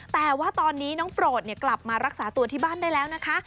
แต่ว่าตอนนี้น้องโปรดกลับมารักษาตัวที่บ้านได้แล้วนะคะ